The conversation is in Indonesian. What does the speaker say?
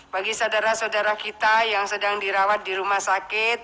bagi saudara saudara kita yang sedang dirawat di rumah sakit